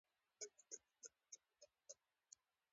تاسي نه غولوم